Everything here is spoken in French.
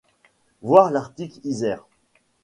Voir article Isère.